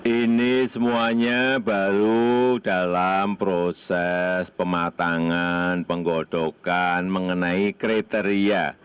ini semuanya baru dalam proses pematangan penggodokan mengenai kriteria